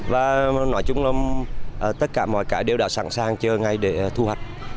và nói chung là tất cả mọi cái đều đã sẵn sàng cho ngay để thu hoạch